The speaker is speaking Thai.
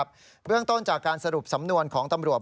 เบื้องต้นจากการสรุปสำนวนของตำรวจ